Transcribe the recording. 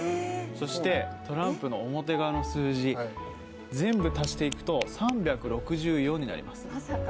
そしてトランプの表側の数字全部足していくと、３６４になります。